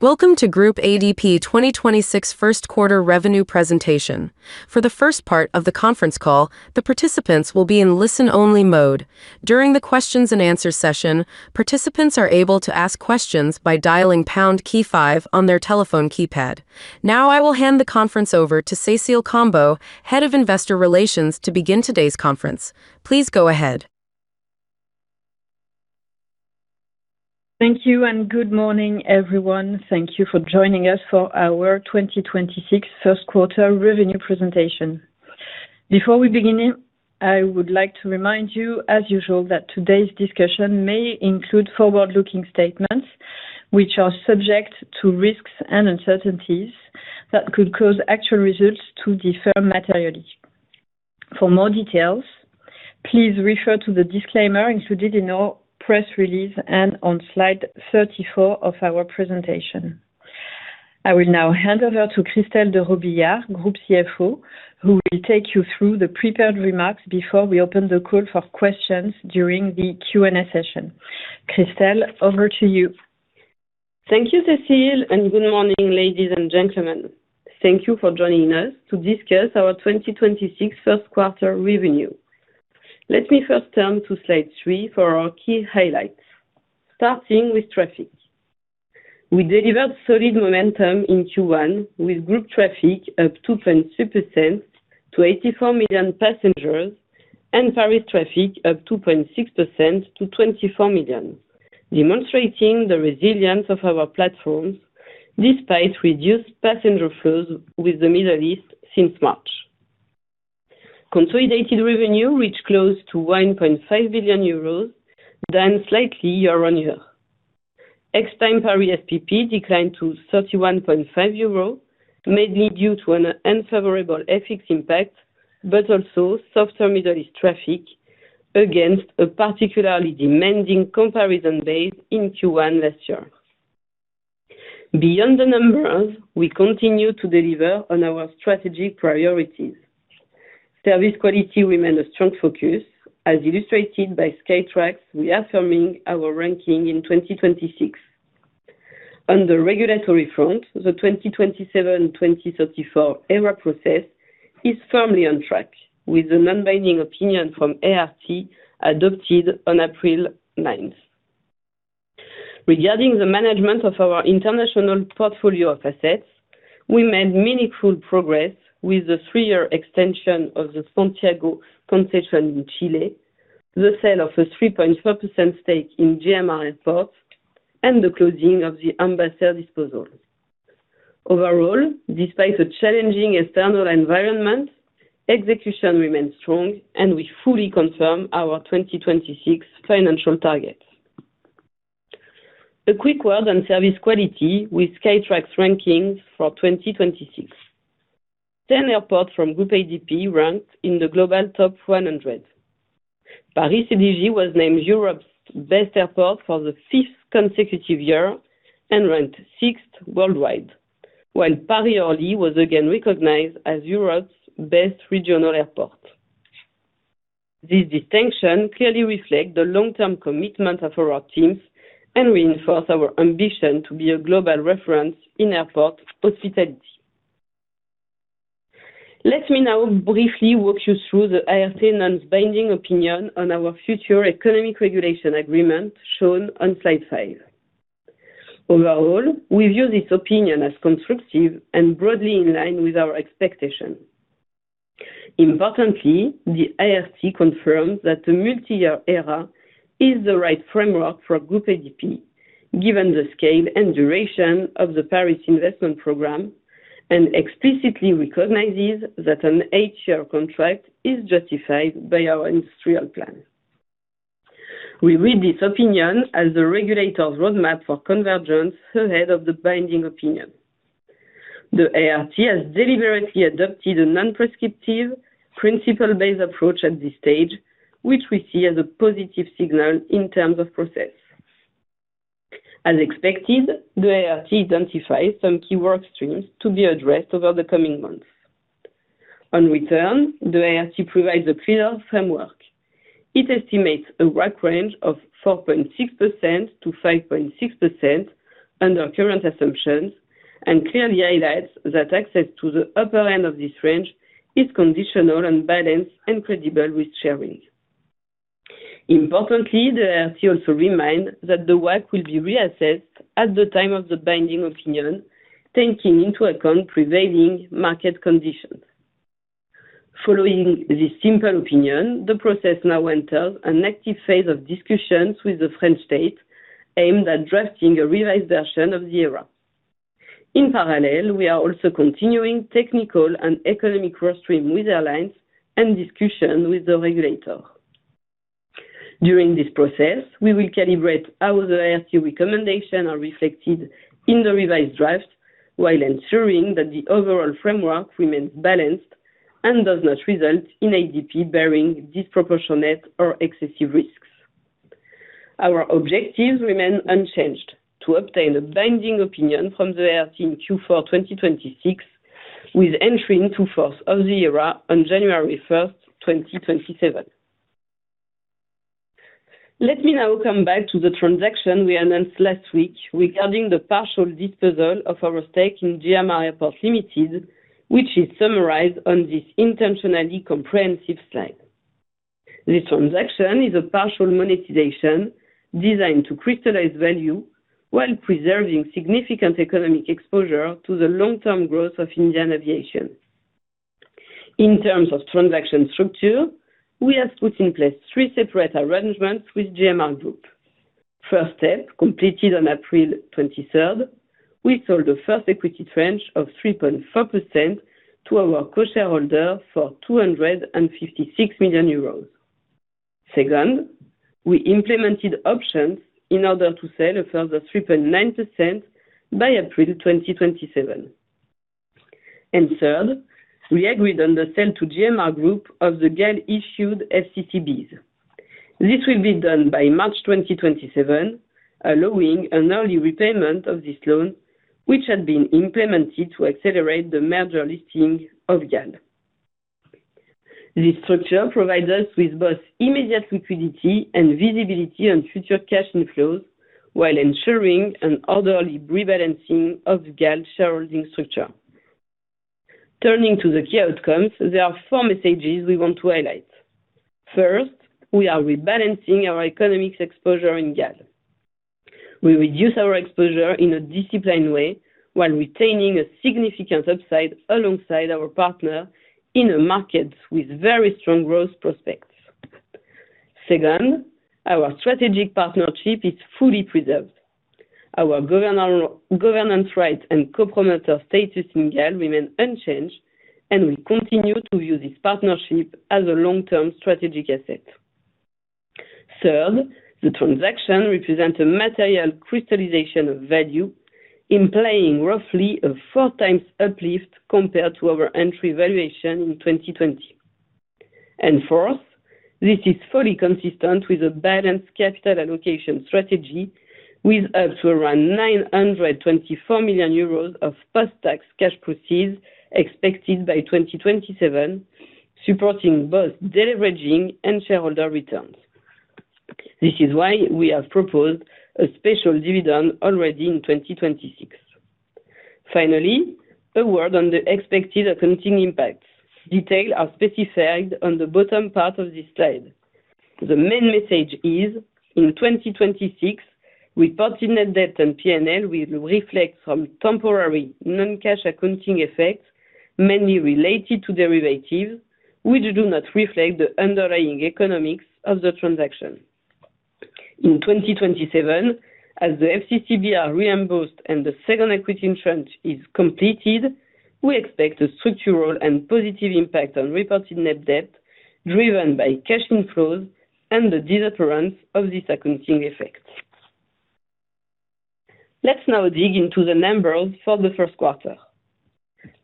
Welcome to Groupe ADP 2026 first quarter revenue presentation. For the first part of the conference call, the participants will be in listen-only mode. During the questions-and-answer session, participants are able to ask questions by dialing pound key five on their telephone keypad. Now, I will hand the conference over to Cécile Combeau, Head of Investor Relations, to begin today's conference. Please go ahead. Thank you and good morning, everyone. Thank you for joining us for our 2026 first quarter revenue presentation. Before we begin, I would like to remind you, as usual, that today's discussion may include forward-looking statements which are subject to risks and uncertainties that could cause actual results to differ materially. For more details, please refer to the disclaimer included in our press release and on slide 34 of our presentation. I will now hand over to Christelle de Robillard, Group CFO, who will take you through the prepared remarks before we open the call for questions during the Q&A session. Christelle, over to you. Thank you, Cécile, and good morning, ladies and gentlemen. Thank you for joining us to discuss our 2026 first quarter review. Let me first turn to slide three for our key highlights. Starting with traffic. We delivered solid momentum in Q1 with Group traffic up 2.2% to 84 million passengers and Paris traffic up 2.6% to 24 million, demonstrating the resilience of our platforms despite reduced passenger flows with the Middle East since March. Consolidated revenue reached close to 1.5 billion euros, down slightly year-on-year. Extime Paris SPP declined to 31.5 euros, mainly due to an unfavorable FX impact, but also softer Middle East traffic against a particularly demanding comparison base in Q1 last year. Beyond the numbers, we continue to deliver on our strategic priorities. Service quality remained a strong focus. As illustrated by Skytrax, reaffirming our ranking in 2026. On the regulatory front, the 2027-2034 ERA process is firmly on track with the non-binding opinion from ART adopted on April 9th. Regarding the management of our international portfolio of assets, we made meaningful progress with the three-year extension of the Santiago concession in Chile, the sale of a 3.4% stake in GMR Airports, and the closing of the Ambassador disposal. Overall, despite a challenging external environment, execution remains strong and we fully confirm our 2026 financial targets. A quick word on service quality with Skytrax rankings for 2026. 10 airports from Groupe ADP ranked in the global top 100. Paris CDG was named Europe's best airport for the fifth consecutive year and ranked sixth worldwide, while Paris-Orly was again recognized as Europe's best regional airport. This distinction clearly reflect the long-term commitment of our teams and reinforce our ambition to be a global reference in airport hospitality. Let me now briefly walk you through the ART non-binding opinion on our future economic regulation agreement shown on slide five. Overall, we view this opinion as constructive and broadly in line with our expectation. Importantly, the ART confirms that the multi-year ERA is the right framework for Groupe ADP, given the scale and duration of the Paris investment program, and explicitly recognizes that an eight-year contract is justified by our industrial plan. We read this opinion as the regulator's roadmap for convergence ahead of the binding opinion. The ART has deliberately adopted a non-prescriptive, principle-based approach at this stage, which we see as a positive signal in terms of process. As expected, the ART identifies some key work streams to be addressed over the coming months. On return, the ART provides a clear framework. It estimates a WACC range of 4.6%-5.6% under current assumptions and clearly highlights that access to the upper end of this range is conditional on balanced and credible risk-sharing. Importantly, the ART also remind that the WACC will be reassessed at the time of the binding opinion, taking into account prevailing market conditions. Following this simple opinion, the process now enters an active phase of discussions with the French State aimed at drafting a revised version of the ERA. In parallel, we are also continuing technical and economic work stream with airlines and discussion with the regulator. During this process, we will calibrate how the ART recommendation are reflected in the revised draft while ensuring that the overall framework remains balanced and does not result in ADP bearing disproportionate or excessive risks. Our objectives remain unchanged: to obtain a binding opinion from the ART in Q4 2026, with entry into force of the ERA on January 1st, 2027. Let me now come back to the transaction we announced last week regarding the partial disposal of our stake in GMR Airports Limited, which is summarized on this intentionally comprehensive slide. This transaction is a partial monetization designed to crystallize value while preserving significant economic exposure to the long-term growth of Indian aviation. In terms of transaction structure, we have put in place three separate arrangements with GMR Group. First step, completed on April 23rd, we sold the first equity tranche of 3.4% to our co-shareholder for 256 million euros. Second, we implemented options in order to sell a further 3.9% by April 2027. Third, we agreed on the sale to GMR Group of the GAL-issued FCCBs. This will be done by March 2027, allowing an early repayment of this loan, which had been implemented to accelerate the merger listing of GAL. This structure provides us with both immediate liquidity and visibility on future cash inflows while ensuring an orderly rebalancing of GAL shareholding structure. Turning to the key outcomes, there are four messages we want to highlight. We are rebalancing our economics exposure in GAL. We reduce our exposure in a disciplined way while retaining a significant upside alongside our partner in a market with very strong growth prospects. Our strategic partnership is fully preserved. Our governance right and co-promoter status in GAL remain unchanged, and we continue to use this partnership as a long-term strategic asset. Third, the transaction represents a material crystallization of value, implying roughly a four times uplift compared to our entry valuation in 2020. Fourth, this is fully consistent with a balanced capital allocation strategy with up to around 924 million euros of post-tax cash proceeds expected by 2027, supporting both de-leveraging and shareholder returns. This is why we have proposed a special dividend already in 2026. Finally, a word on the expected accounting impacts. Details are specified on the bottom part of this slide. The main message is, in 2026, reported net debt and P&L will reflect some temporary non-cash accounting effects, mainly related to derivatives, which do not reflect the underlying economics of the transaction. In 2027, as the FCCB are reimbursed and the second equity tranche is completed, we expect a structural and positive impact on reported net debt driven by cash inflows and the disappearance of this accounting effect. Let's now dig into the numbers for the first quarter.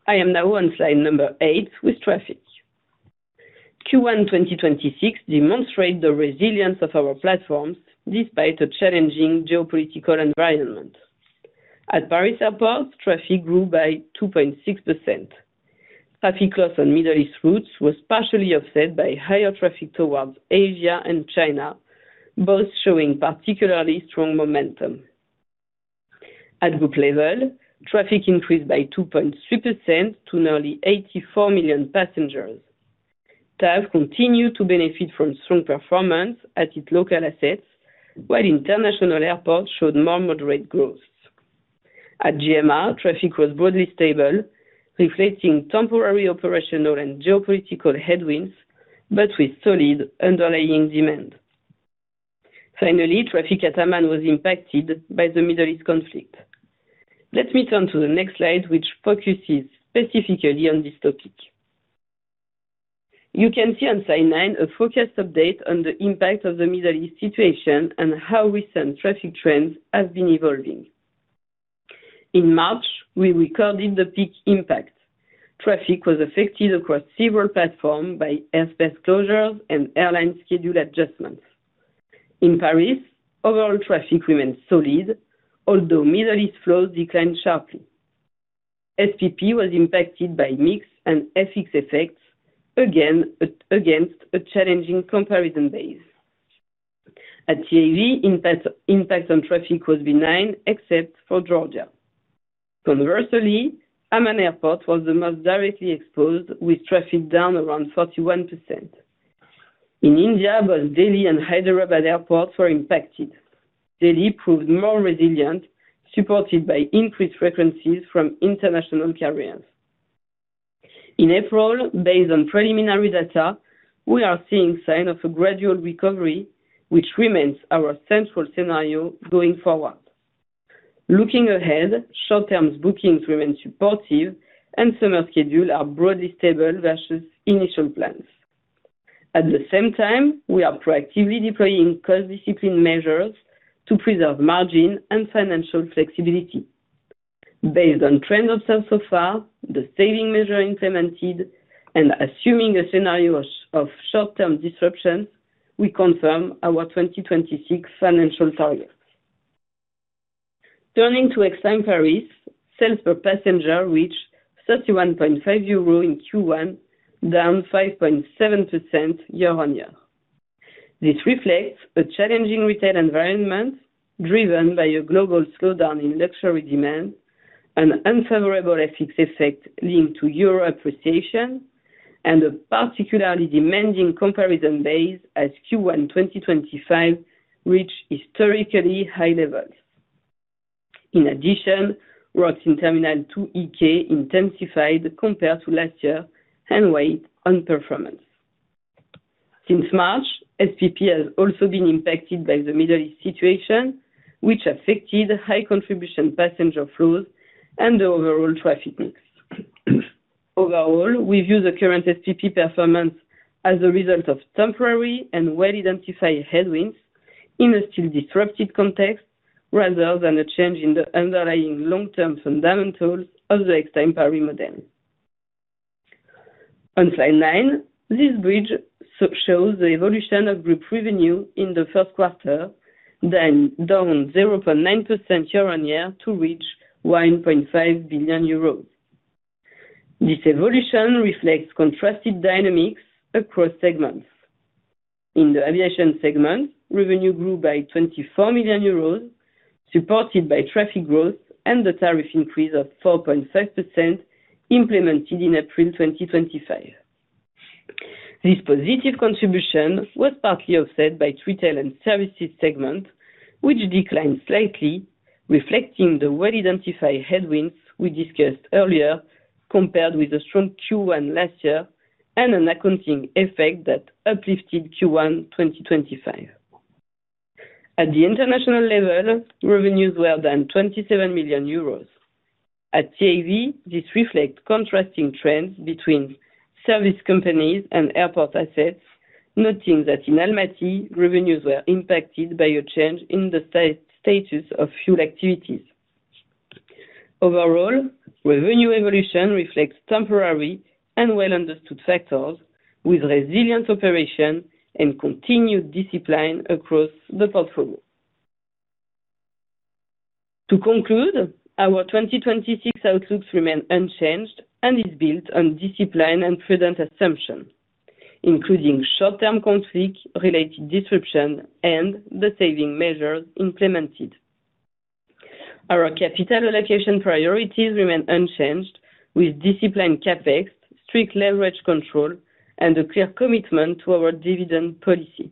I am now on slide number eight with traffic. Q1 2026 demonstrate the resilience of our platforms despite a challenging geopolitical environment. At Paris Airport, traffic grew by 2.6%. Traffic loss on Middle East routes was partially offset by higher traffic towards Asia and China, both showing particularly strong momentum. At Group level, traffic increased by 2.3% to nearly 84 million passengers. TAV continue to benefit from strong performance at its local assets, while international airports showed more moderate growth. At GMR, traffic was broadly stable, reflecting temporary operational and geopolitical headwinds, but with solid underlying demand. Finally, traffic at Amman was impacted by the Middle East conflict. Let me turn to the next slide, which focuses specifically on this topic. You can see on slide nine a focused update on the impact of the Middle East situation and how recent traffic trends have been evolving. In March, we recorded the peak impact. Traffic was affected across several platforms by airspace closures and airline schedule adjustments. In Paris, overall traffic remained solid, although Middle East flows declined sharply. SPP was impacted by mix and FX effects again, against a challenging comparison base. At TAV, impact on traffic was benign except for Georgia. Conversely, Amman Airport was the most directly exposed with traffic down around 41%. In India, both Delhi and Hyderabad airports were impacted. Delhi proved more resilient, supported by increased frequencies from international carriers. In April, based on preliminary data, we are seeing signs of a gradual recovery, which remains our central scenario going forward. Looking ahead, short-term bookings remain supportive and summer schedule are broadly stable versus initial plans. At the same time, we are proactively deploying cost discipline measures to preserve margin and financial flexibility. Based on trends observed so far, the saving measure implemented and assuming a scenario of short-term disruption, we confirm our 2026 financial target. Turning to Extime Paris, sales per passenger reached 31.5 euro in Q1, down 5.7% year-on-year. This reflects a challenging retail environment driven by a global slowdown in luxury demand, an unfavorable FX effect linked to EUR appreciation, and a particularly demanding comparison base as Q1 2025 reached historically high levels. In addition, works in Terminal 2EK intensified compared to last year and weighed on performance. Since March, SPP has also been impacted by the Middle East situation, which affected high contribution passenger flows and overall traffic mix. Overall, we view the current SPP performance as a result of temporary and well-identified headwinds in a still disrupted context rather than a change in the underlying long-term fundamentals of the Extime Paris model. On slide nine, this bridge shows the evolution of Group revenue in the first quarter, down 0.9% year-on-year to reach 1.5 billion euros. This evolution reflects contrasted dynamics across segments. In the aviation segment, revenue grew by 24 million euros, supported by traffic growth and the tariff increase of 4.5% implemented in April 2025. This positive contribution was partly offset by retail and services segment, which declined slightly, reflecting the well-identified headwinds we discussed earlier, compared with a strong Q1 last year and an accounting effect that uplifted Q1 2025. At the international level, revenues were down EUR 27 million. At TAV, this reflects contrasting trends between service companies and airport assets, noting that in Almaty, revenues were impacted by a change in the status of fuel activities. Overall, revenue evolution reflects temporary and well-understood factors with resilient operation and continued discipline across the portfolio. To conclude, our 2026 outlook remains unchanged and is built on discipline and prudent assumption, including short-term conflict-related disruption and the saving measures implemented. Our capital allocation priorities remain unchanged with disciplined CapEx, strict leverage control, and a clear commitment to our dividend policy.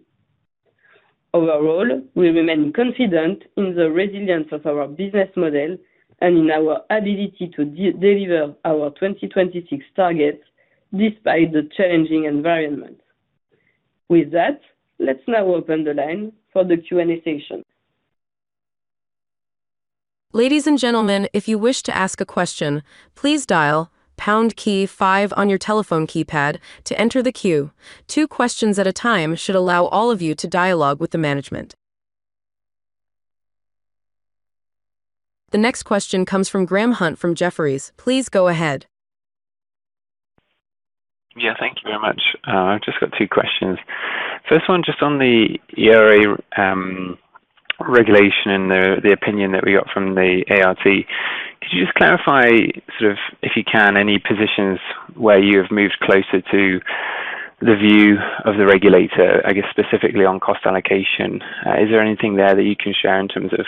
Overall, we remain confident in the resilience of our business model and in our ability to deliver our 2026 targets despite the challenging environment. With that, let's now open the line for the Q&A session. Ladies and gentlemen, if you wish to ask a question, please dial pound key five on your telephone keypad to enter the queue. Two questions at a time should allow all of you to dialogue with the management. The next question comes from Graham Hunt from Jefferies. Please go ahead. Yeah, thank you very much. I've just got two questions. First one, just on the ERA regulation and the opinion that we got from the ART. Could you just clarify, if you can, any positions where you have moved closer to the view of the regulator, I guess specifically on cost allocation? Is there anything there that you can share in terms of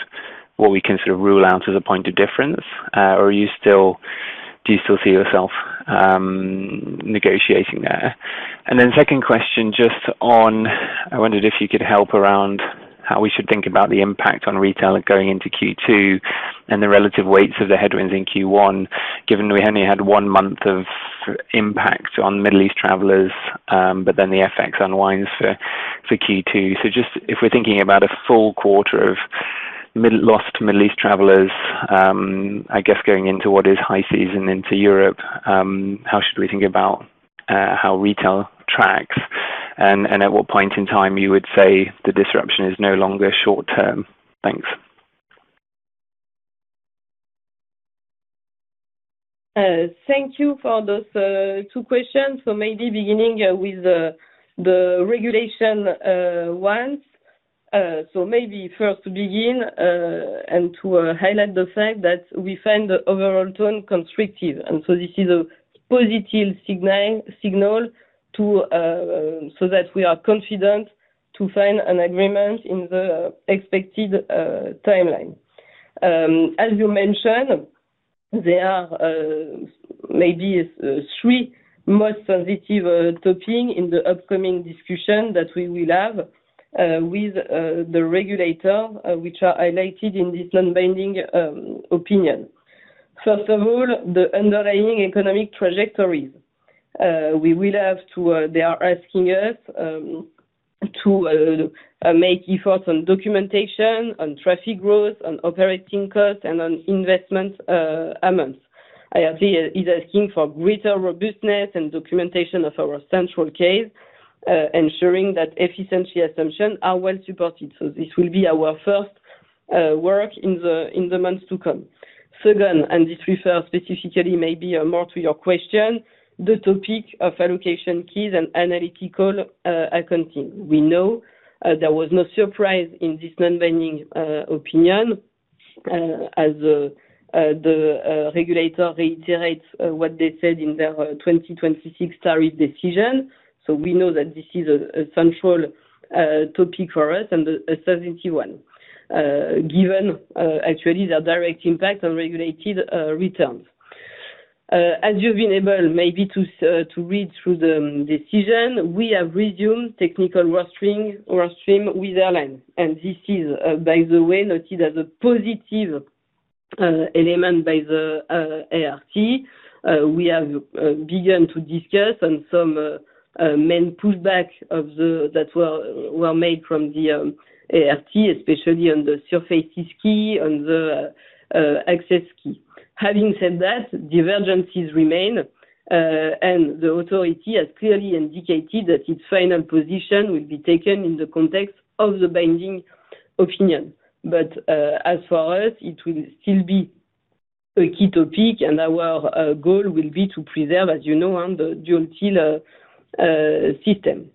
what we can rule out as a point of difference? Or are you still negotiating there? Second question, just on, I wondered if you could help around how we should think about the impact on retail going into Q2 and the relative weights of the headwinds in Q1, given we only had one month of impact on Middle East travelers, but then the FX unwinds for Q2. Just if we're thinking about a full quarter of lost Middle East travelers, I guess going into what is high season into Europe, how should we think about how retail tracks and at what point in time you would say the disruption is no longer short-term? Thanks. Thank you for those two questions. Maybe beginning with the regulation one. Maybe first to begin and to highlight the fact that we find the overall tone constructive, and so this is a positive signal to so that we are confident to find an agreement in the expected timeline. As you mentioned, there are maybe three most sensitive topics in the upcoming discussion that we will have with the regulator, which are highlighted in this non-binding opinion. First of all, the underlying economic trajectories. We will have to, they are asking us to make efforts on documentation, on traffic growth, on operating costs, and on investment amounts. ART is asking for greater robustness and documentation of our central case, ensuring that efficiency assumptions are well supported. It will be our first work in the management [come]. Second, this refers specifically maybe more to your question, the topic of allocation keys and analytical accounting. We know there was no surprise in this non-binding opinion, as the regulator reiterates what they said in their 2026 tariff decision. We know that this is a central topic for us and a sensitive one, given actually the direct impact on regulated returns. As you've been able maybe to read through the decision, we have resumed technical rostering with airlines, and this is, by the way, noted as a positive element by the ART. We have begun to discuss on some main pullback from ART, especially on the surfaces key, on the access key. Having said that, divergences remain, and the authority has clearly indicated that its final position will be taken in the context of the binding opinion. As for us, it will still be a key topic, and our goal will be to preserve, as you know, Anne, the dual-till system.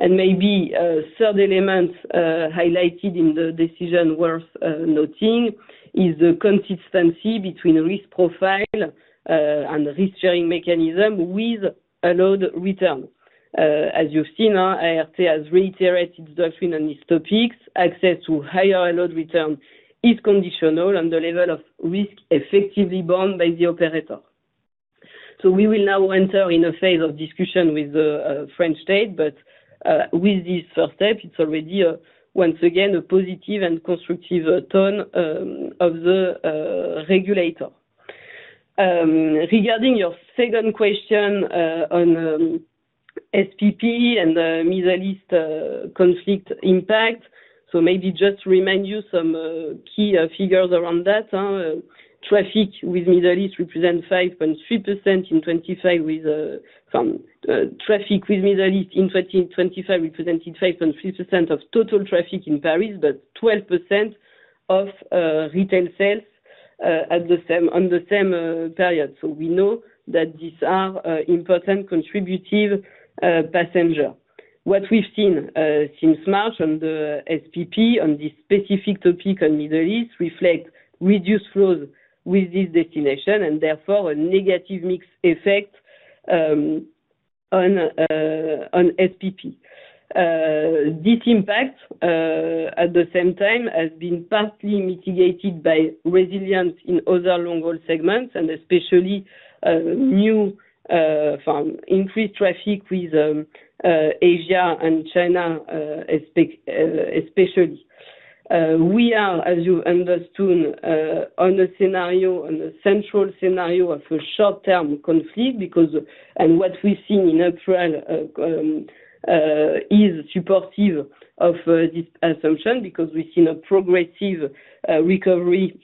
Maybe a third element highlighted in the decision worth noting is the consistency between risk profile and risk sharing mechanism with allowed return. As you've seen now, ART has reiterated doctrine on these topics. Access to higher allowed return is conditional on the level of risk effectively borne by the operator. We will now enter in a phase of discussion with the French State, with this first step, it's already a, once again, a positive and constructive turn of the regulator. Regarding your second question, on SPP and the Middle East conflict impact, maybe just remind you some key figures around that. Traffic with Middle East represents 5.3% in 2025 with, from traffic with Middle East in 2025 represented 5.3% of total traffic in Paris, but 12% of retail sales on the same period. We know that these are important contributive passenger. What we've seen since March on the SPP on this specific topic on Middle East reflect reduced flows with this destination and therefore a negative mix effect on SPP. This impact at the same time has been partly mitigated by resilience in other long-haul segments and especially new from increased traffic with Asia and China, especially. We are, as you understood, on a scenario, on a central scenario of a short-term conflict because what we've seen in April is supportive of this assumption because we've seen a progressive recovery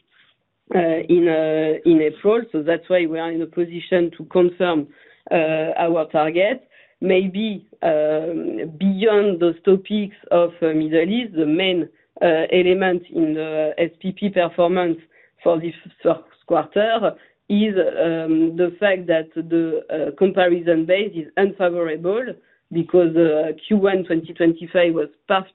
in April. That's why we are in a position to confirm our target. Maybe, beyond those topics of Middle East, the main element in the SPP performance for this first quarter is the fact that the comparison base is unfavorable because Q1 2025 was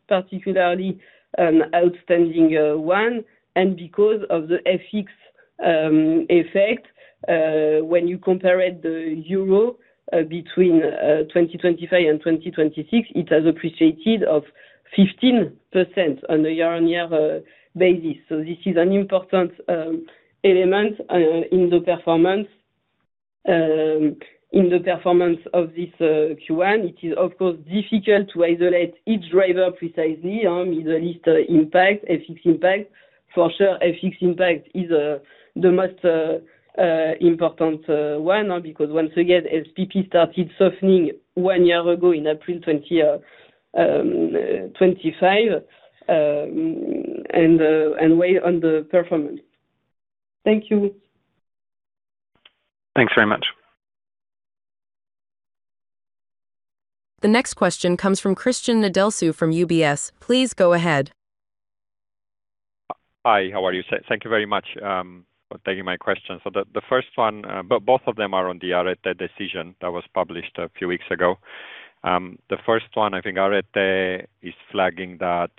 particularly an outstanding one and because of the FX effect, when you compare it, the euro, between 2025 and 2026, it has appreciated of 15% on a year-on-year basis. This is an important element in the performance of this Q1. It is of course difficult to isolate each driver precisely on Middle East impact, FX impact. FX impact is the most important one because once again, SPP started softening one year ago in April 2025 and weigh on the performance. Thank you. Thanks very much. The next question comes from Cristian Nedelcu from UBS. Please go ahead. Hi, how are you? Thank you very much for taking my question. The first one, but both of them are on the ART decision that was published a few weeks ago. The first one, I think ART is flagging that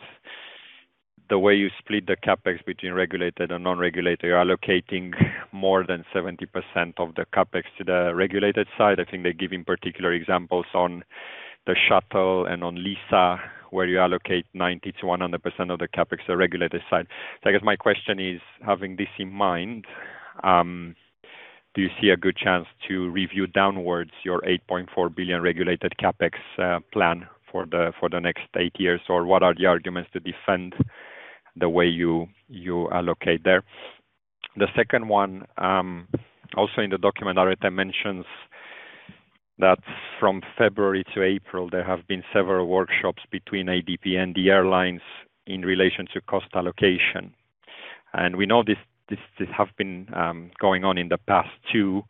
the way you split the CapEx between regulated and non-regulated, you're allocating more than 70% of the CapEx to the regulated side. I think they're giving particular examples on the shuttle and on LISA, where you allocate 90%-100% of the CapEx to the regulated side. I guess my question is, having this in mind, do you see a good chance to review downwards your 8.4 billion regulated CapEx plan for the next eight years? What are the arguments to defend the way you allocate there? The second one, also in the document, ART mentions that from February to April, there have been several workshops between ADP and the airlines in relation to cost allocation. We know this have been going on in the past too.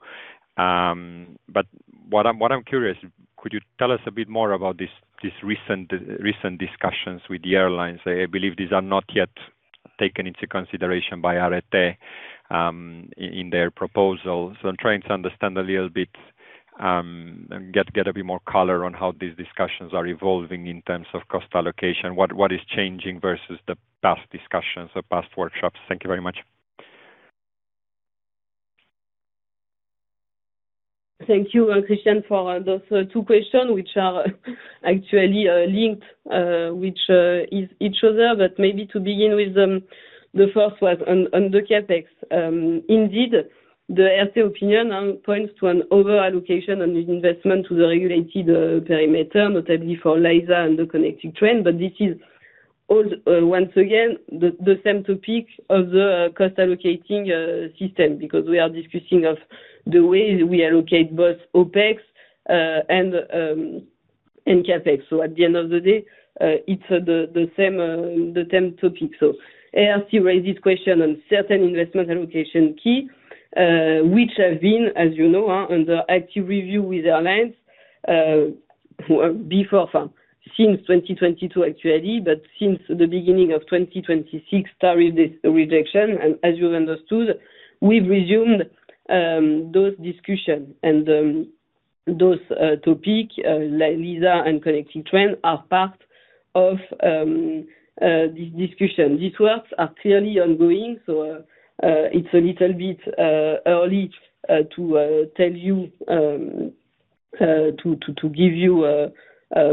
What I'm curious, could you tell us a bit more about this recent discussions with the airlines? I believe these are not yet taken into consideration by ART in their proposals. I'm trying to understand a little bit, get a bit more color on how these discussions are evolving in terms of cost allocation. What is changing versus the past discussions or past workshops? Thank you very much. Thank you, Cristian, for those two questions, which are actually linked, which, is each other. Maybe to begin with, the first was on the CapEx. Indeed, the ART opinion points to an overallocation on this investment to the regulated perimeter, notably for LISA and the connecting train. This is all once again, the same topic of the cost allocating system, because we are discussing of the way we allocate both OpEx and CapEx. At the end of the day, it's the same topic. ART raised this question on certain investment allocation key, which have been, as you know, on the active review with airlines before, since 2022 actually, but since the beginning of 2026 started this reduction. As you understood, we've resumed those discussions and those topics like LISA and connecting train are part of this discussion. These works are clearly ongoing, it's a little bit early to tell you to give you a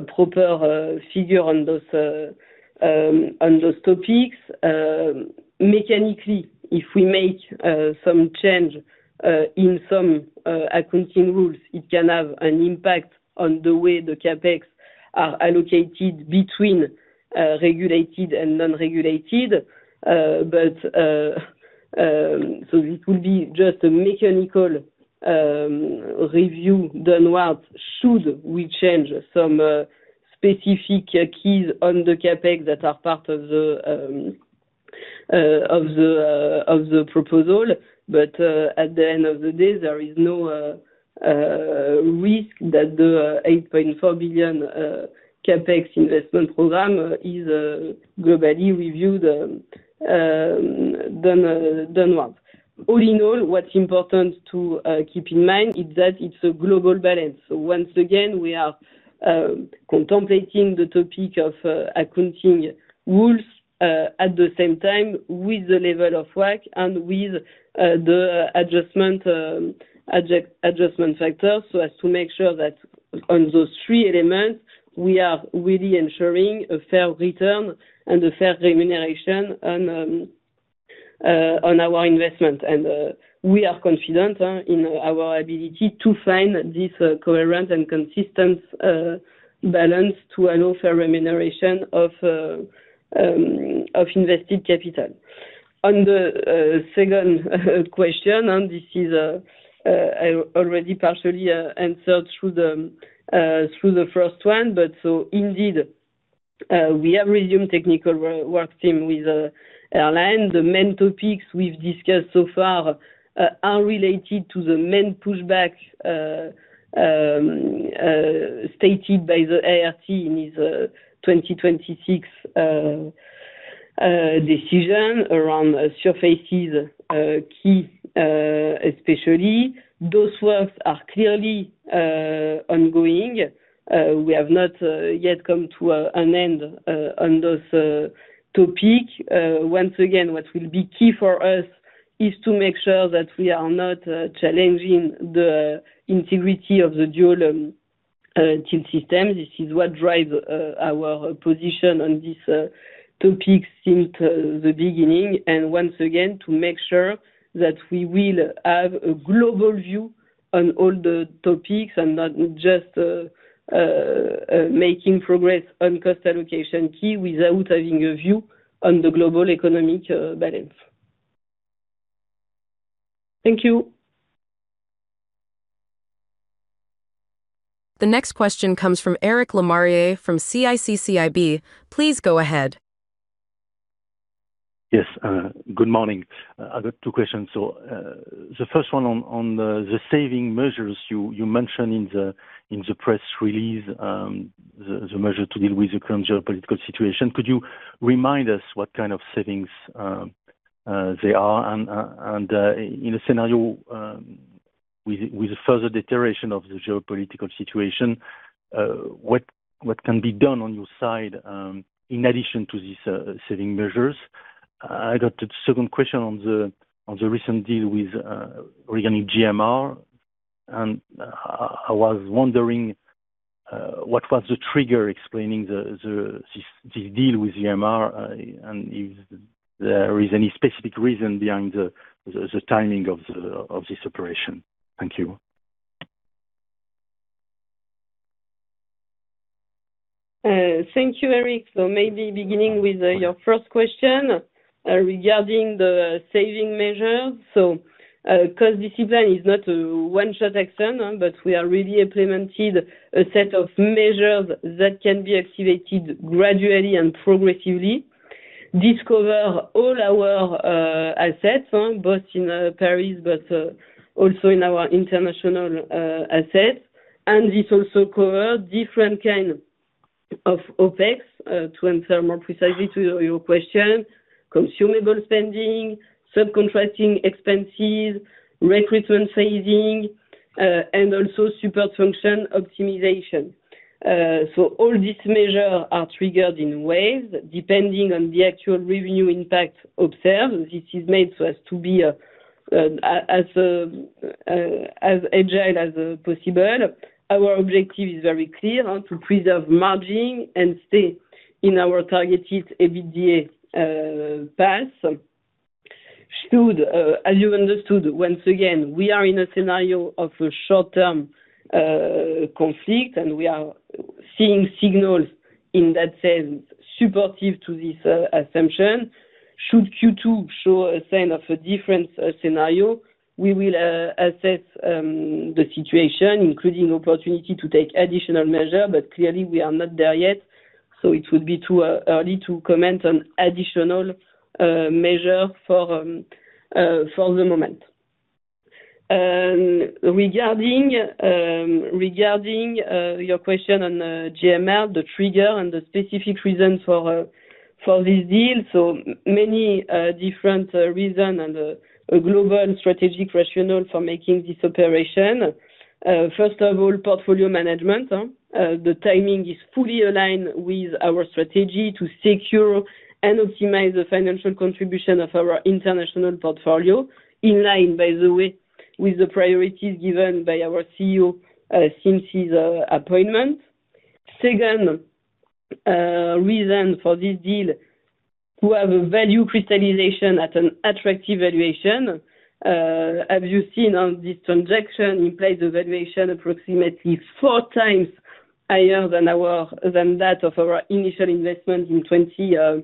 proper figure on those topics. Mechanically, if we make some change in some accounting rules, it can have an impact on the way the CapEx are allocated between regulated and non-regulated. It will be just a mechanical review downward should we change some specific keys on the CapEx that are part of the of the of the proposal. At the end of the day, there is no risk that the 8.4 billion CapEx investment program is globally reviewed than than well. All in all, what's important to keep in mind is that it's a global balance. Once again, we are contemplating the topic of accounting rules at the same time with the level of work and with the adjustment factor, so as to make sure that on those three elements, we are really ensuring a fair return and a fair remuneration on our investment. We are confident in our ability to find this coherent and consistent balance to allow fair remuneration of invested capital. On the second question, this is already partially answered through the first one. Indeed, we have resumed technical work stream with airline. The main topics we've discussed so far are related to the main pushback stated by the ART in his 2026 decision around surfaces, key, especially. Those works are clearly ongoing. We have not yet come to an end on those topic. Once again, what will be key for us is to make sure that we are not challenging the integrity of the dual-till system. This is what drives our position on this topic since the beginning. Once again, to make sure that we will have a global view on all the topics and not just making progress on cost allocation key without having a view on the global economic balance. Thank you. The next question comes from Eric Lemarié from CIC CIB. Please go ahead. Yes. good morning. I've got two questions. The first one on the saving measures you mentioned in the press release, the measure to deal with the current geopolitical situation. Could you remind us what kind of savings they are? In a scenario with a further deterioration of the geopolitical situation, what can be done on your side in addition to these saving measures? I got a second question on the recent deal with regarding GMR. I was wondering what was the trigger explaining the this deal with GMR? Is there is any specific reason behind the timing of the, of this operation? Thank you. Thank you, Eric. Maybe beginning with your first question regarding the saving measure. Cost discipline is not a one-shot action, but we have really implemented a set of measures that can be activated gradually and progressively. Discover all our assets, both in Paris but also in our international assets. This also cover different kind of OpEx to answer more precisely to your question. Consumable spending, subcontracting expenses, recruitment sizing, and also super function optimization. All these measure are triggered in ways depending on the actual revenue impact observed. This is made for us to be as agile as possible. Our objective is very clear, to preserve margin and stay in our targeted EBITDA path. Should, as you understood, once again, we are in a scenario of a short-term conflict, and we are seeing signals in that sense supportive to this assumption. Should Q2 show a sign of a different scenario, we will assess the situation, including opportunity to take additional measure, but clearly we are not there yet, so it would be too early to comment on additional measure for the moment. Regarding, regarding your question on GMR, the trigger and the specific reasons for this deal. Many different reason and global strategic rationale for making this operation. First of all, portfolio management. The timing is fully aligned with our strategy to secure and optimize the financial contribution of our international portfolio. In line, by the way, with the priorities given by our CEO since his appointment. Second, reason for this deal, to have a value crystallization at an attractive valuation. As you've seen on this transaction, we place the valuation approximately four times higher than our, than that of our initial investment in 2020.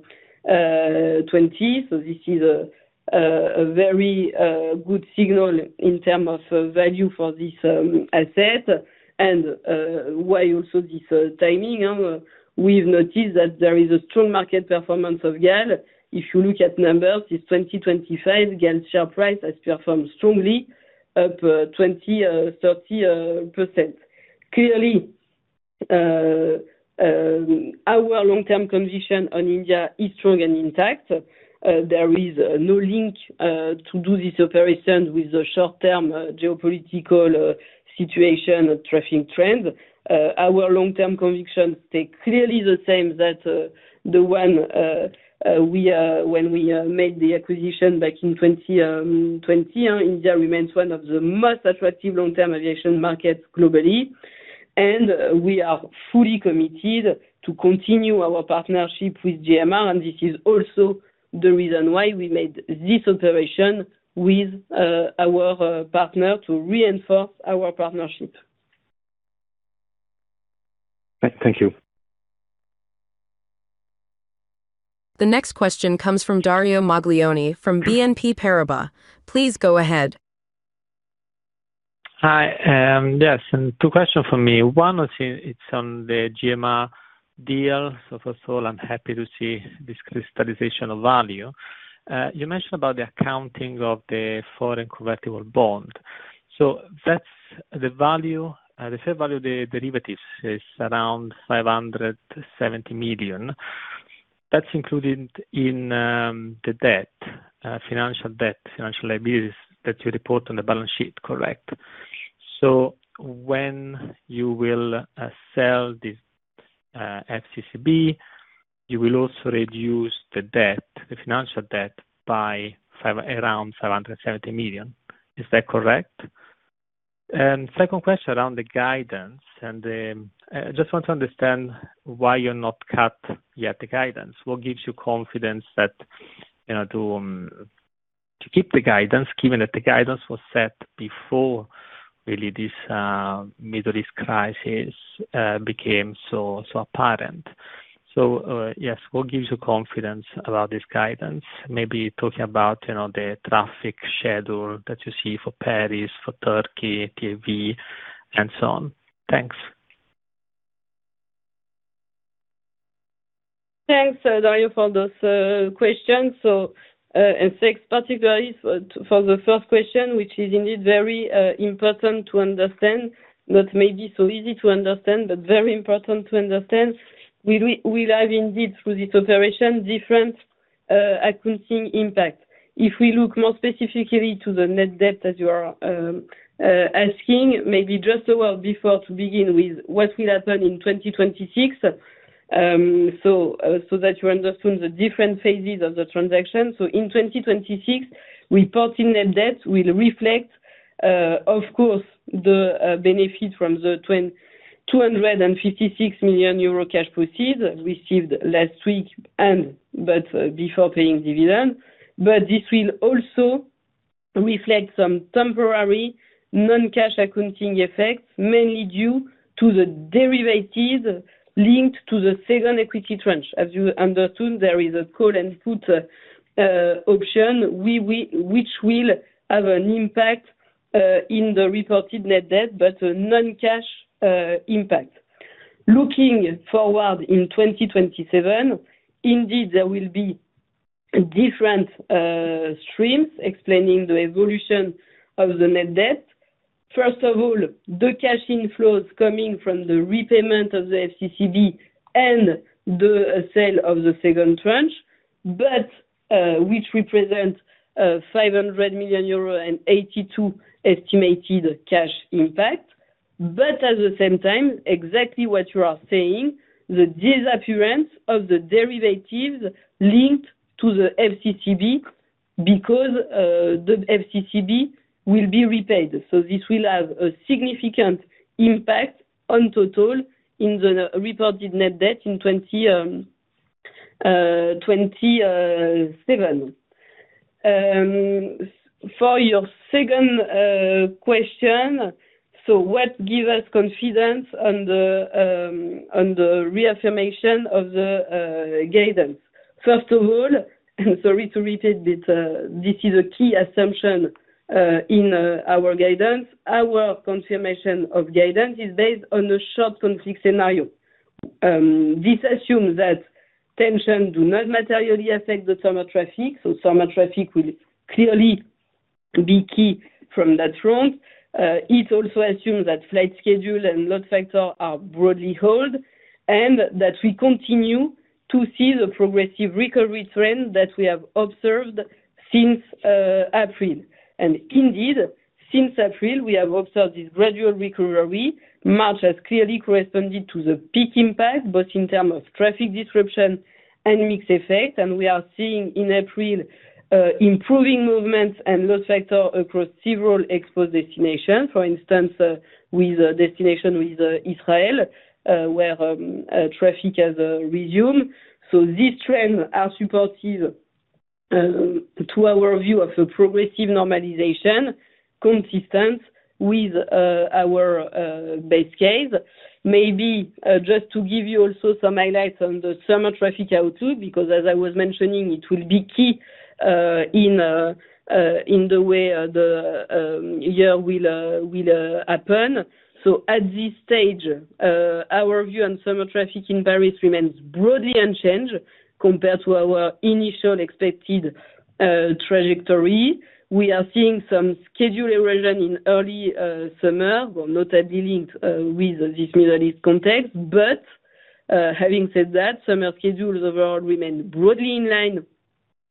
This is a very good signal in term of value for this asset. Why also this timing. We've noticed that there is a strong market performance of GAL. If you look at numbers, since 2025, GAL share price has performed strongly, up 20%, 30%. Clearly, our long-term condition on India is strong and intact. There is no link to do this operation with the short-term geopolitical situation or traffic trend. Our long-term conviction stay clearly the same that the one we when we made the acquisition back in 2020. India remains one of the most attractive long-term aviation markets globally, we are fully committed to continue our partnership with GMR. This is also the reason why we made this operation with our partner to reinforce our partnership. Thank you. The next question comes from Dario Maglione from BNP Paribas. Please go ahead. Hi. Yes, two question from me. One is it's on the GMR deal. First of all, I'm happy to see this crystallization of value. You mentioned about the accounting of the foreign convertible bond. That's the value, the fair value of the derivatives is around [500 million to 70 million]. That's included in the debt, financial debt, financial liabilities that you report on the balance sheet, correct? When you will sell this FCCB, you will also reduce the debt, the financial debt, by around 770 million. Is that correct? Second question around the guidance and I just want to understand why you're not cut yet the guidance. What gives you confidence that, you know, to keep the guidance, given that the guidance was set before really this Middle East crisis became so apparent? Yes, what gives you confidence about this guidance? Maybe talking about, you know, the traffic schedule that you see for Paris, for TAV, and so on. Thanks. Thanks, Dario, for those questions. Thanks particularly for the first question, which is indeed very important to understand. Not maybe so easy to understand, but very important to understand. We will have indeed, through this operation, different accounting impact. If we look more specifically to the net debt that you are asking, maybe just a word before to begin with what will happen in 2026, so that you understand the different phases of the transaction. In 2026, reported net debt will reflect, of course, the benefit from the 256 million euro cash proceeds received last week and, but before paying dividend. This will also reflect some temporary non-cash accounting effects, mainly due to the derivatives linked to the second equity tranche. As you understand, there is a call and put option. which will have an impact in the reported net debt, but a non-cash impact. Looking forward in 2027, indeed, there will be different streams explaining the evolution of the net debt. First of all, the cash inflows coming from the repayment of the FCCB and the sale of the second tranche, which represents 500 million euro and 82 million estimated cash impact. At the same time, exactly what you are saying, the disappearance of the derivatives linked to the FCCB because the FCCB will be repaid. This will have a significant impact on total in the reported net debt in 2027. For your second question, what give us confidence on the reaffirmation of the guidance? First of all, sorry to repeat, this is a key assumption in our guidance. Our confirmation of guidance is based on a short conflict scenario. This assumes that tensions do not materially affect the summer traffic, summer traffic will clearly be key from that front. It also assumes that flight schedule and load factor are broadly hold, that we continue to see the progressive recovery trend that we have observed since April. Indeed, since April, we have observed this gradual recovery. March has clearly corresponded to the peak impact, both in terms of traffic disruption and mixed effect. We are seeing in April improving movements and load factor across several exposed destinations. For instance, with a destination with Israel, where traffic has resumed. These trends are supportive to our view of the progressive normalization consistent with our base case. Maybe just to give you also some highlights on the summer traffic outlook, because as I was mentioning, it will be key in the way the year will happen. At this stage, our view on summer traffic in Paris remains broadly unchanged compared to our initial expected trajectory. We are seeing some schedule erosion in early summer, but not ideally linked with this Middle East context. Having said that, summer schedules overall remain broadly in line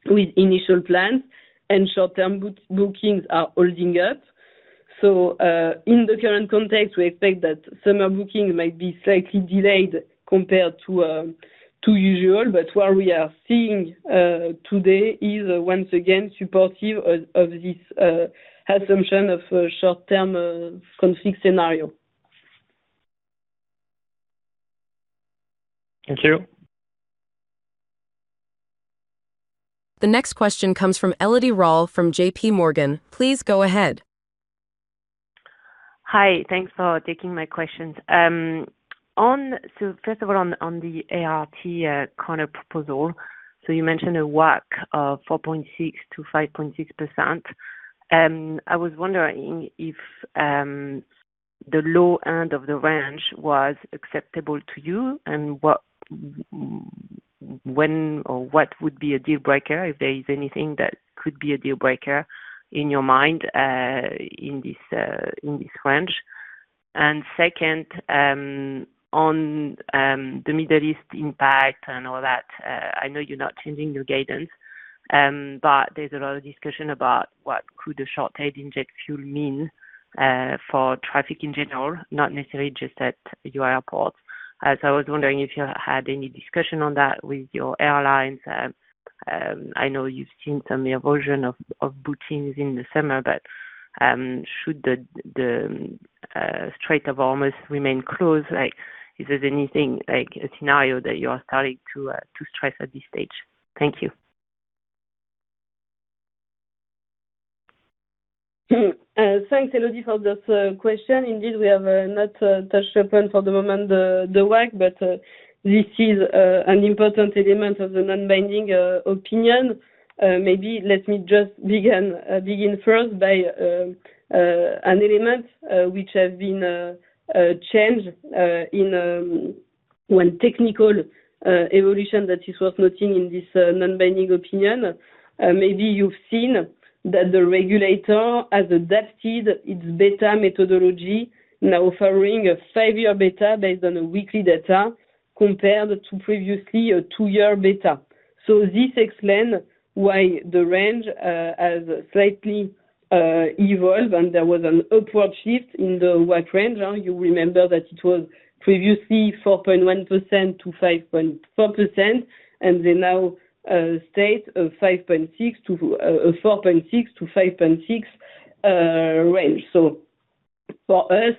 with initial plans and short-term booking are holding up. In the current context, we expect that summer booking might be slightly delayed compared to usual. What we are seeing today is once again supportive of this assumption of short-term conflict scenario. Thank you. The next question comes from Elodie Rall from JPMorgan. Please go ahead. Hi, thanks for taking my questions. So first of all, on the ART counter proposal, you mentioned a WACC of 4.6%-5.6%. I was wondering if the low end of the range was acceptable to you and what would be a deal breaker, if there is anything that could be a deal breaker in your mind, in this range? Second, on the Middle East impact and all that, I know you're not changing your guidance, but there's a lot of discussion about what could a short-haul jet fuel mean for traffic in general, not necessarily just at your airport. I was wondering if you had any discussion on that with your airlines. I know you've seen some erosion of bookings in the summer, but should the Strait of Hormuz remain closed? Like, is there anything like a scenario that you are starting to stress at this stage? Thank you. Thanks, Elodie, for this question. Indeed, we have not touched upon for the moment the WACC, but this is an important element of the non-binding opinion. Maybe let me just begin first by an element which has been changed in one technical evolution that it was noted in this non-binding opinion. Maybe you've seen that the regulator has adapted its data methodology. Now offering a five-year beta based on a weekly data compared to previously a two-year beta. This explains why the range has slightly evolved, and there was an upward shift in the WACC range. You remember that it was previously 4.1% -5.4%, and they now state of 5.6% to 4.6%-5.6% range. For us,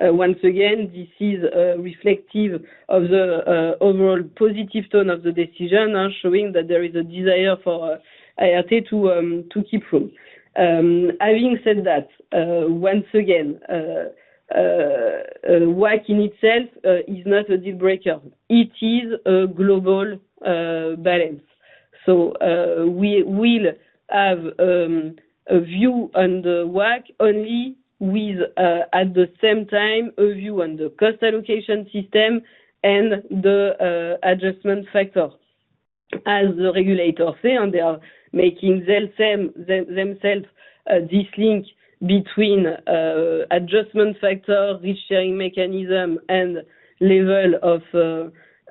once again, this is reflective of the overall positive tone of the decision, showing that there is a desire for IATA to keep growing. Having said that, once again, WACC in itself is not a deal breaker. It is a global balance. We will have a view on the WACC only with at the same time, a view on the cost allocation system and the adjustment factor. As the regulator say, they are making themselves this link between adjustment factor, risk-sharing mechanism, and level of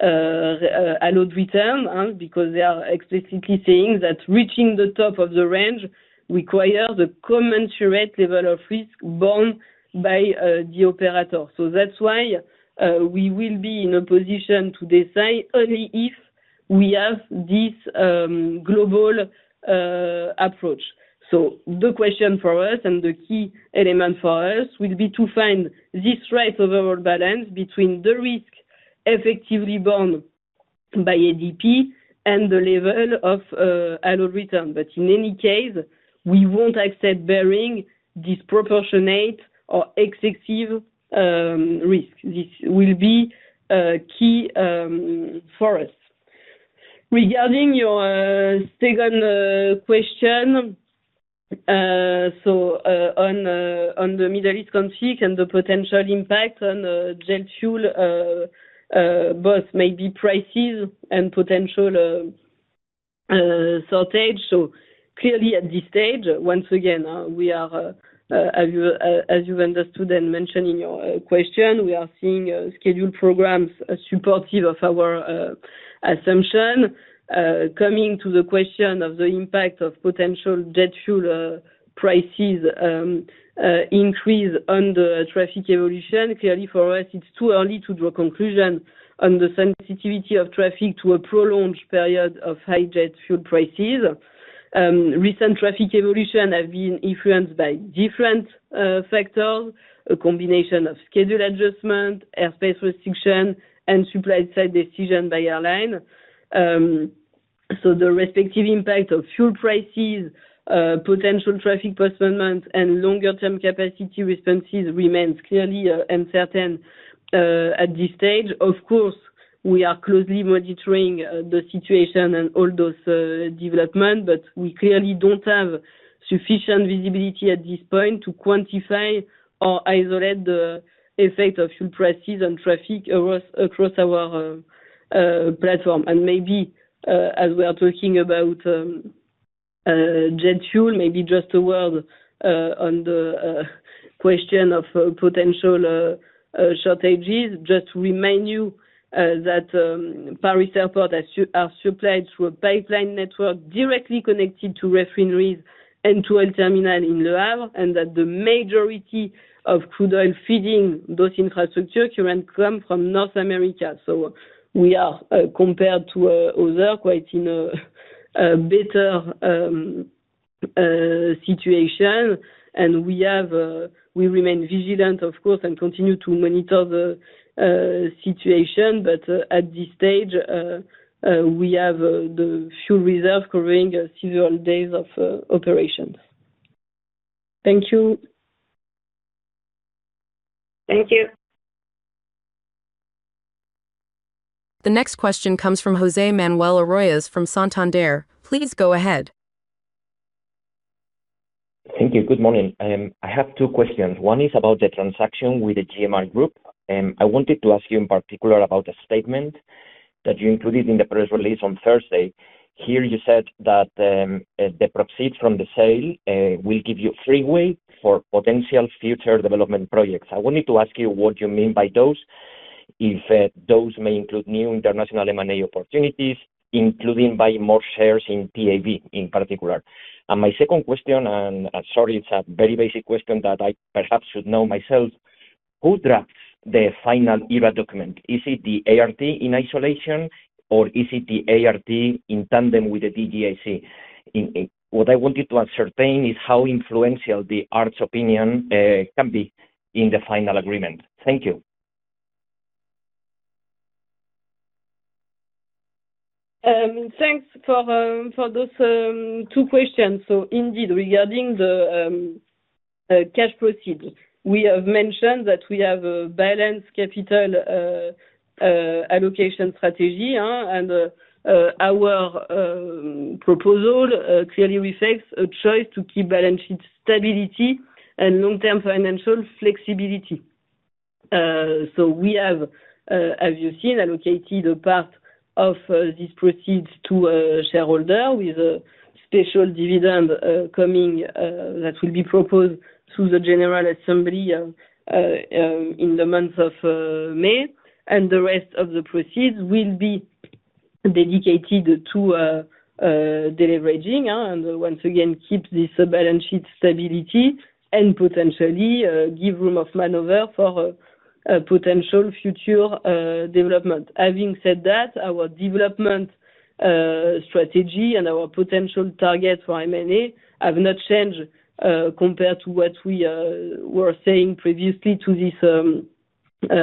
allowed return, because they are explicitly saying that reaching the top of the range require the commensurate level of risk borne by the operator. That's why we will be in a position to decide only if we have this global approach. The question for us and the key element for us will be to find this right overall balance between the risk effectively borne by ADP and the level of allowed return. In any case, we won't accept bearing disproportionate or excessive risk. This will be key for us. Regarding your second question, on the Middle East conflict and the potential impact on jet fuel, both maybe prices and potential shortage. Clearly at this stage, once again, we are, as you've understood and mentioned in your question, we are seeing scheduled programs supportive of our assumption. Coming to the question of the impact of potential jet fuel prices increase on the traffic evolution. Clearly for us it's too early to draw conclusion on the sensitivity of traffic to a prolonged period of high jet fuel prices. Recent traffic evolution have been influenced by different factors, a combination of schedule adjustment, airspace restriction, and supply side decision by airline. The respective impact of fuel prices, potential traffic postponement, and longer term capacity responses remains clearly uncertain at this stage. Of course, we are closely monitoring the situation and all those development, but we clearly don't have sufficient visibility at this point to quantify or isolate the effect of fuel prices on traffic across our platform. Maybe, as we are talking about jet fuel, maybe just a word on the question of potential shortages. Just remind you that Paris airports are supplied through a pipeline network directly connected to refineries and to a terminal in Le Havre, and that the majority of crude oil feeding those infrastructure currently come from North America. We are, compared to others, quite in a better situation. We remain vigilant, of course, and continue to monitor the situation. At this stage, we have the fuel reserve covering several days of operation. Thank you. Thank you. Thank you The next question comes from José Manuel Arroyas from Santander. Please go ahead. Thank you. Good morning. I have two questions. One is about the transaction with the GMR Group. I wanted to ask you in particular about a statement that you included in the press release on Thursday. Here you said that the proceeds from the sale will give you freeway for potential future development projects. I wanted to ask you what you mean by those, if those may include new international M&A opportunities, including buying more shares in TAV in particular. My second question, and sorry, it's a very basic question that I perhaps should know myself: Who drafts the final ERA document? Is it the ART in isolation, or is it the ART in tandem with the DGAC? What I wanted to ascertain is how influential the ART's opinion can be in the final agreement. Thank you. Thanks for those two questions. Indeed, regarding the cash proceeds, we have mentioned that we have a balanced capital allocation strategy, and our proposal clearly reflects a choice to keep balance sheet stability and long-term financial flexibility. We have, as you've seen, allocated a part of these proceeds to shareholders with a special dividend, coming that will be proposed to the General Assembly in the month of May. The rest of the proceeds will be dedicated to deleveraging and, once again, keep this balance sheet stability and potentially give room of maneuver for a potential future development. Having said that, our development strategy and our potential target for M&A have not changed compared to what we were saying previously to this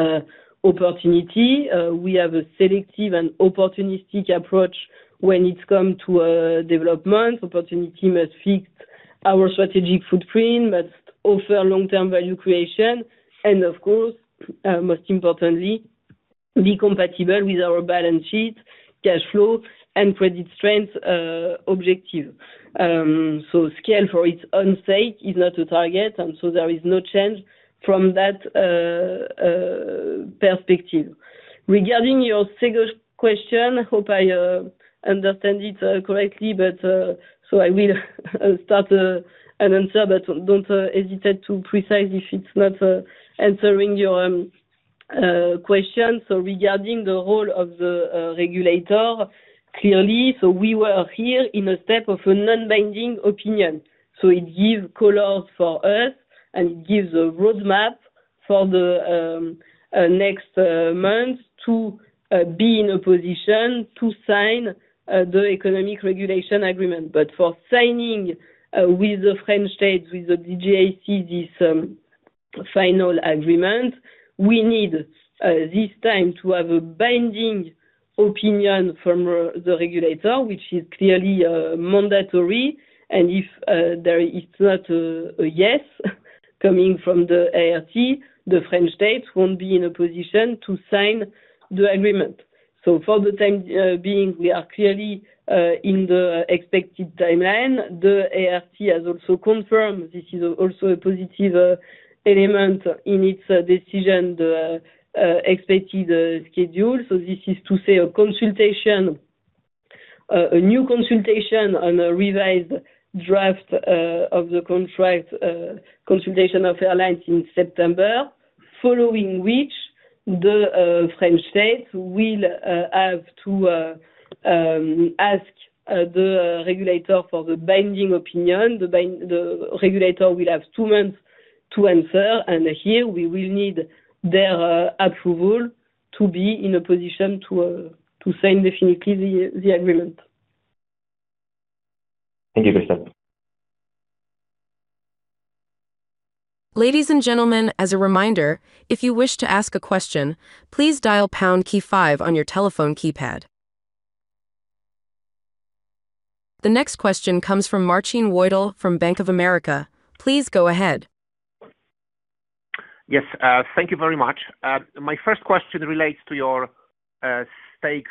opportunity. We have a selective and opportunistic approach when it's come to development. Opportunity must fit our strategic footprint, must offer long-term value creation, and of course, most importantly, be compatible with our balance sheet, cash flow, and credit strength objective. Scale for its own sake is not a target. There is no change from that perspective. Regarding your second question, hope I understand it correctly, but so I will start an answer, but don't hesitate to precise if it's not answering your question. Regarding the role of the regulator, clearly, so we were here in a step of a non-binding opinion. It gives color for us and gives a roadmap for the next months to be in a position to sign the Economic Regulation Agreement. For signing with the French State, with the DGAC, this final agreement, we need this time to have a binding opinion from the regulator, which is clearly mandatory. If there is not a yes coming from the ART, the French State won't be in a position to sign the agreement. For the time being, we are clearly in the expected timeline. The ART has also confirmed this is also a positive element in its decision, the expected schedule. This is to say a consultation, a new consultation on a revised draft of the contract, consultation of airlines in September, following which the French State will have to ask the regulator for the binding opinion. The regulator will have two months to answer. Here we will need their approval to be in a position to sign definitely the agreement. Thank you, Christelle. Ladies and gentlemen, as a reminder, if you wish to ask a question, please dial pound key five on the telephone keypad. The next question comes from Marcin Wojtal from Bank of America. Please go ahead. Yes. Thank you very much. My first question relates to your stake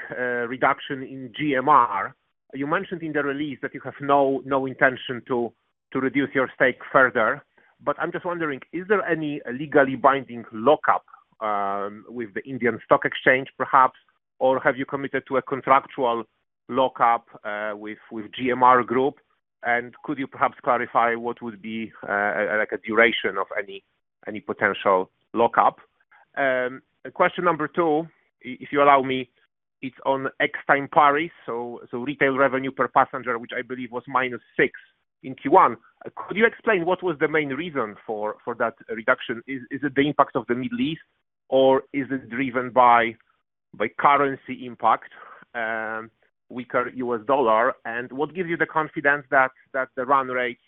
reduction in GMR. You mentioned in the release that you have no intention to reduce your stake further. I'm just wondering, is there any legally binding lockup with the Indian Stock Exchange perhaps? Have you committed to a contractual lockup with GMR Group? Could you perhaps clarify what would be like a duration of any potential lockup? Question number two, if you allow me, it's on Extime Paris, retail revenue per passenger, which I believe was -6% in Q1. Could you explain what was the main reason for that reduction? Is it the impact of the Middle East, or is it driven by currency impact, weaker U.S. dollar? What gives you the confidence that the run rate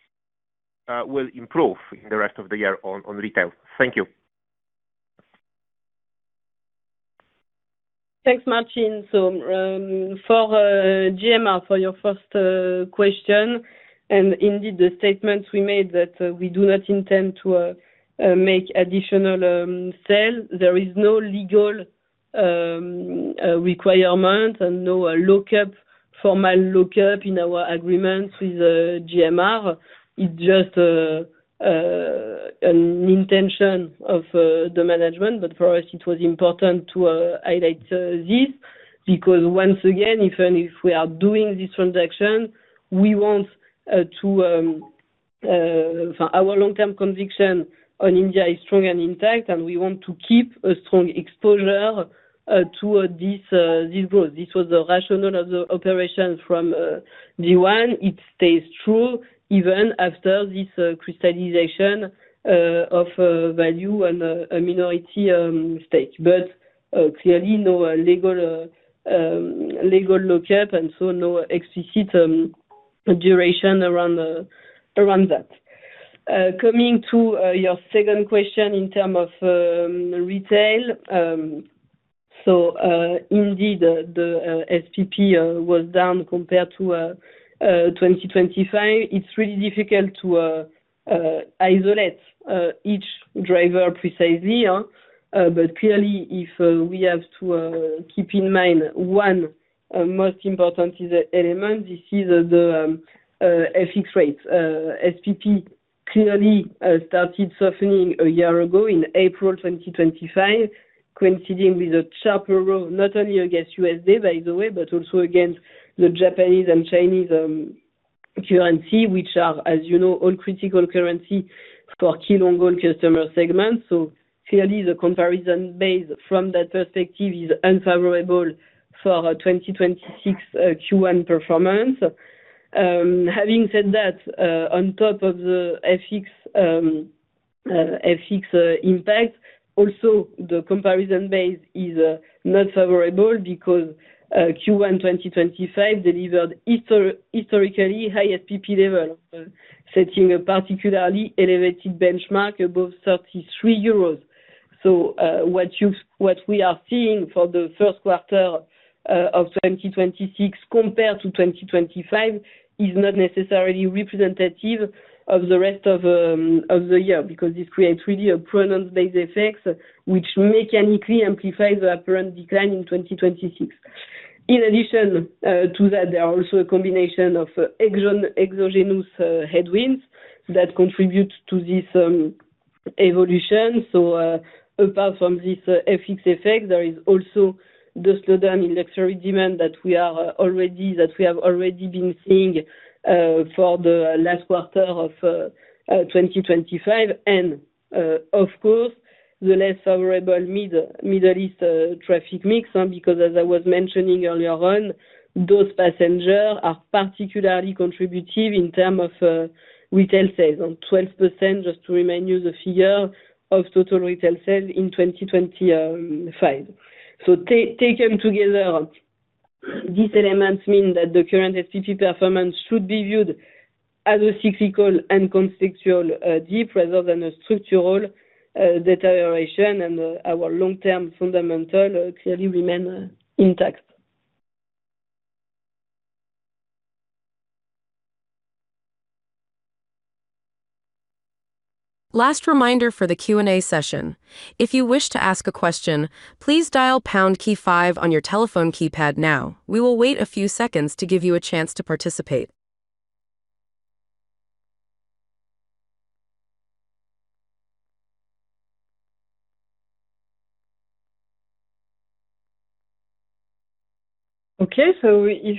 will improve in the rest of the year on retail? Thank you. Thanks, Marcin. For GMR, for your first question, and indeed the statements we made that we do not intend to make additional sale. There is no legal requirement and no lockup, formal lockup in our agreement with GMR. It's just an intention of the management. For us it was important to highlight this, because once again, even if we are doing this transaction, our long-term conviction on India is strong and intact, and we want to keep a strong exposure to this growth. This was the rationale of the operations from day one. It stays true even after this crystallization of value and a minority stake. Clearly no legal lockup and so no explicit duration around that. Coming to your second question in terms of retail. Indeed, the SPP was down compared to 2025. It's really difficult to isolate each driver precisely, but clearly if we have to keep in mind one, most important is element. This is the FX rates. SPP clearly started softening a year ago in April 2025, coinciding with a sharper euro, not only against USD, by the way, but also against the Japanese and Chinese currency, which are, as you know, all critical currency for key long-haul customer segments. Clearly the comparison base from that perspective is unfavorable for 2026 Q1 performance. Having said that, on top of the FX impact, also the comparison base is not favorable because Q1 2025 delivered historically high SPP level, setting a particularly elevated benchmark above 33 euros. What we are seeing for the first quarter of 2026 compared to 2025 is not necessarily representative of the rest of the year, because this creates really a pronounced base effect which mechanically amplifies the apparent decline in 2026. In addition to that, there are also a combination of exogenous headwinds that contribute to this evolution. Apart from this FX effect, there is also the slowdown in luxury demand that we have already been seeing for the last quarter of 2025. Of course, the less favorable mid-Middle East traffic mix. Because as I was mentioning earlier on, those passengers are particularly contributive in terms of retail sales on 12%, just to remind you the figure of total retail sales in 2025. Taken together, these elements mean that the current SPP performance should be viewed as a cyclical and conceptual dip rather than a structural deterioration. Our long-term fundamentals clearly remain intact. Last reminder for the Q&A session. If you wish to ask a question, please dial pound key five on your telephone keypad now. We will wait a few seconds to give you a chance to participate. Okay. If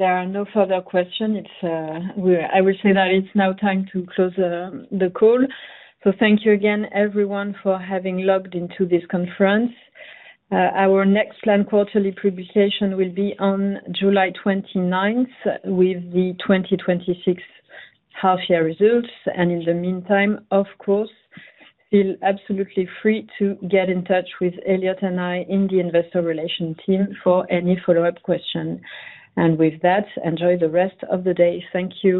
there are no further questions, I will say that it's now time to close the call. Thank you again everyone for having logged into this conference. Our next planned quarterly publication will be on July 29th with the 2026 half-year results. In the meantime, of course, feel absolutely free to get in touch with Eliott and I in the Investor Relations team for any follow-up questions. With that, enjoy the rest of the day. Thank you.